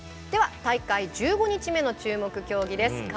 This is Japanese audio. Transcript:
では大会１５日目の注目競技です。